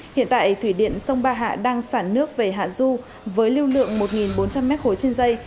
hiện tại thủy điện sông ba hạ đang sản nước về hạ du với lưu lượng một bốn trăm linh m ba trên dây